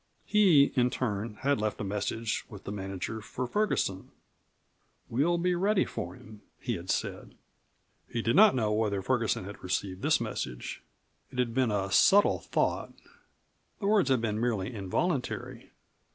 He, in turn, had left a message with the manager for Ferguson. "We'll be ready for him," he had said. He did not know whether Ferguson had received this message. It had been a subtle thought; the words had been merely involuntary.